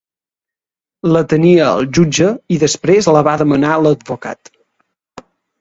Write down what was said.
La tenia el jutge i després la va demanar l’advocat.